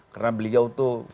karena beliau itu